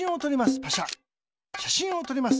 しゃしんをとります。